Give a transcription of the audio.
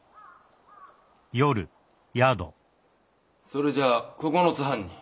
それじゃあ九つ半に。